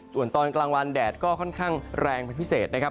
ส่วนตอนกลางวันแดดก็ค่อนข้างแรงเป็นพิเศษนะครับ